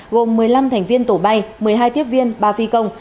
gồm một mươi năm thành viên tổ bay một mươi hai tiếp viên ba phi công